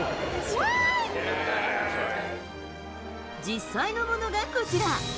実際のものがこちら。